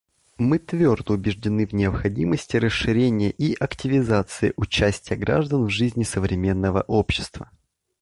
Мы твердо убеждены в необходимости расширения и активизации участия граждан в жизни современного общества.